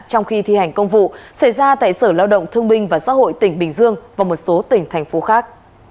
trong khi thi hành công vụ xảy ra tại sở lao động thương minh và xã hội tỉnh bình dương và một số tỉnh thành phố khác